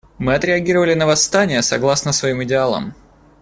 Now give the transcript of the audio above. Мы отреагировали на восстания согласно своим идеалам.